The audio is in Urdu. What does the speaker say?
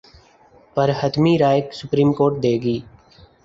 پر حتمی رائے سپریم کورٹ دے گی۔